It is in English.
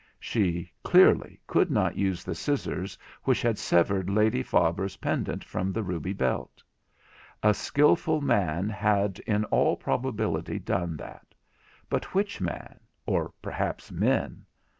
She, clearly, could not use the scissors which had severed Lady Faber's pendant from the ruby belt. A skilful man had in all probability done that—but which man, or perhaps men?